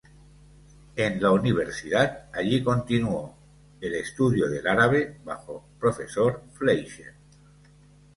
En la universidad allí continuó el estudio del árabe bajo profesor Fleischer.